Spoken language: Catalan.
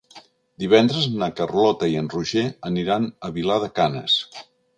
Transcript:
Divendres na Carlota i en Roger aniran a Vilar de Canes.